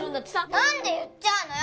何で言っちゃうのよ！